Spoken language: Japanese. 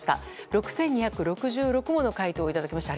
６２６６もの回答をいただきました。